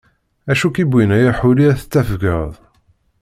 Acu k-iwwin a yaḥuli ad tettafgeḍ!